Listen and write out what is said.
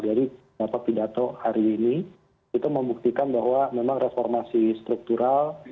jadi bapak pidato hari ini itu membuktikan bahwa memang reformasi struktural